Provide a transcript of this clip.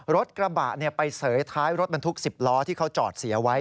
รถกระบะไปเสยท้ายรถบรรทุก๑๐ล้อที่เขาจอดเสียไว้